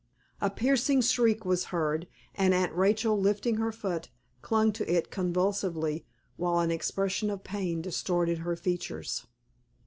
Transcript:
A piercing shriek was heard, and Aunt Rachel, lifting her foot, clung to it convulsively, while an expression of pain distorted her features.